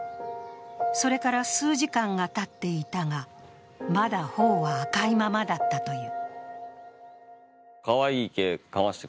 それから数時間がたっていたが、まだ頬は赤いままだったという。